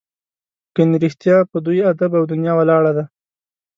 ګنې رښتیا په دوی ادب او دنیا ولاړه ده.